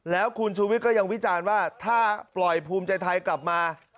แล้วคุณชูวิทย์ก็ยังวิจารณ์ว่าถ้าปล่อยภูมิใจไทยกลับมา